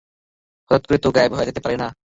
হঠাত করে তো গায়েব হয়ে যেতে পারে না!